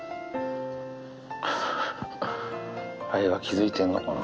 雷は気付いてんのかな。